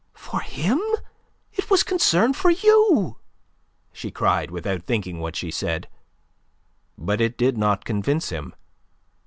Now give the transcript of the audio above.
"For him! It was concern for you," she cried, without thinking what she said. But it did not convince him.